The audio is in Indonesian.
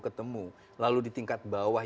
ketemu lalu di tingkat bawah